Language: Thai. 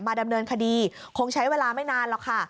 ดำเนินคดีคงใช้เวลาไม่นานหรอกค่ะ